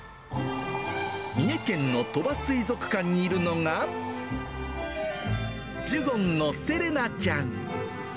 三重県の鳥羽水族館にいるのが、ジュゴンのセレナちゃん。